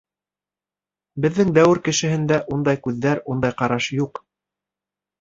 Беҙҙең дәүер кешеһендә ундай күҙҙәр, ундай ҡараш юҡ.